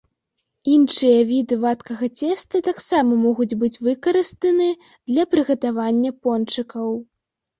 Іншыя віды вадкага цеста таксама могуць быць выкарыстаны для прыгатавання пончыкаў.